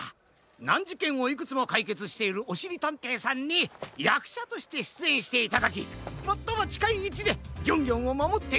なんじけんをいくつもかいけつしているおしりたんていさんにやくしゃとしてしゅつえんしていただきもっともちかいいちでギョンギョンをまもっていただく！